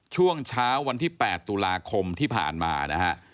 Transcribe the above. ช่วงเช้าวันที่๘ตุลาคมที่ผ่านมานะฮะ